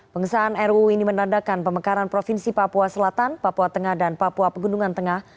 pengesahan ruu ini menandakan pemekaran provinsi papua selatan papua tengah dan papua pegunungan tengah